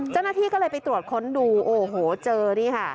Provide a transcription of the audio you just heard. เจ้าหน้าที่ก็เลยไปตรวจค้นดูโอ้โหเจอนี่ค่ะ